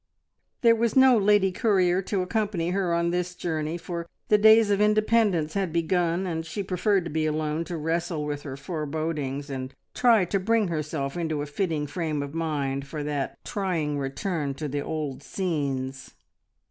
There was no lady courier to accompany her on this journey, for the days of independence had begun, and she preferred to be alone to wrestle with her forebodings, and try to bring herself into a fitting frame of mind for that trying return to the old scenes.